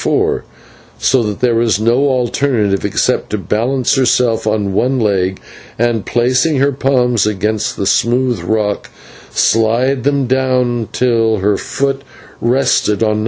4, so that there was no alternative except to balance herself on one leg, and, placing her palms against the smooth rock, slide them down it till her foot rested on No.